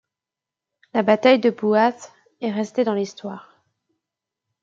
La bataille de Bu'ath est restée dans l'histoire.